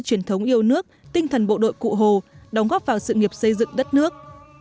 truyền thống yêu nước tinh thần bộ đội cụ hồ đóng góp vào sự nghiệp xây dựng đất nước